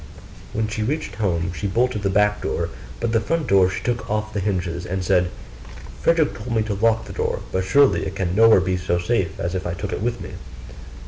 When she reached home, she bolted the back door, but the front door she took off the hinges, and said, 'Frederick told me to lock the door, but surely it can nowhere be so safe if I take it with me.